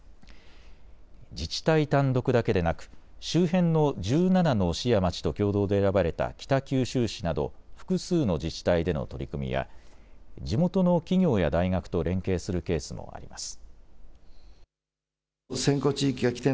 自治体単独だけでなく周辺の１７の市や町と共同で選ばれた北九州市など複数の自治体での取り組みや地元の企業や大学と連携するケースもあります。